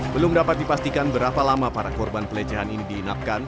belum dapat dipastikan berapa lama para korban pelecehan ini diinapkan